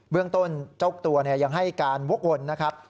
เรื่องต้นเจ้าตัวยังให้การวกวนนะครับ